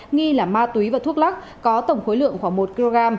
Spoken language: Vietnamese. nghi là ma túy và thuốc lắc có tổng khối lượng khoảng một kg